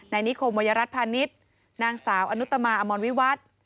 นายนิโคมวัยรัฐพาณิชย์นางสาวอนุตมาอมวลวิวัฒน์